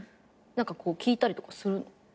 何かこう聞いたりとかするの？